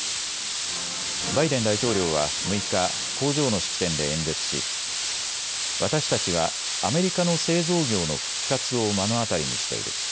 バイデン大統領は６日、工場の式典で演説し私たちはアメリカの製造業の復活を目の当たりにしている。